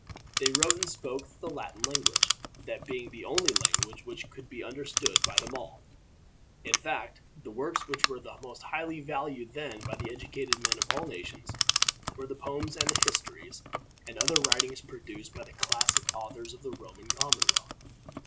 They wrote and spoke the Latin language, that being the only language which could be understood by them all. In fact, the works which were most highly valued then by the educated men of all nations, were the poems and the histories, and other writings produced by the classic authors of the Roman commonwealth.